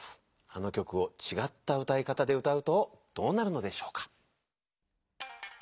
あの曲をちがった歌い方で歌うとどうなるのでしょうか？